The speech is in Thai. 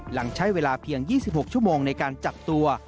หลังใช้เวลาเพียง๒๖ชั่วโมงในการจับตัว